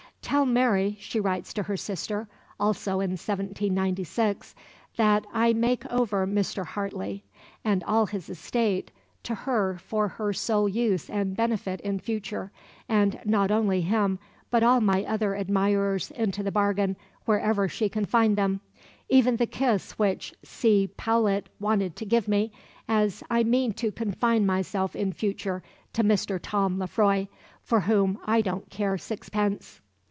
"Tell Mary," she writes to her sister (also in 1796), "that I make over Mr. Heartley and all his estate to her for her sole use and benefit in future, and not only him, but all my other admirers into the bargain wherever she can find them, even the kiss which C. Powlett wanted to give me, as I mean to confine myself in future to Mr. Tom Lefroy, for whom I don't care six pence."